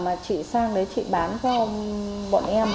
mà chị sang đấy chị bán cho bọn em